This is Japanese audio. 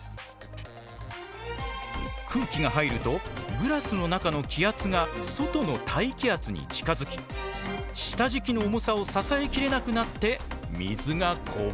空気が入るとグラスの中の気圧が外の大気圧に近づき下じきの重さを支えきれなくなって水がこぼれるのだ。